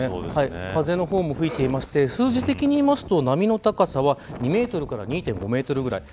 風も吹いていて数字的にいうと波の高さは２メートルから２．５メートルぐらい。